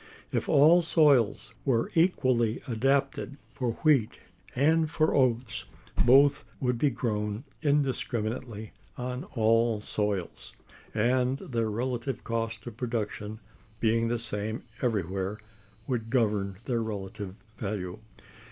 If all soils were equally adapted for wheat and for oats, both would be grown indiscriminately on all soils, and their relative cost of production, being the same everywhere, would govern their relative value.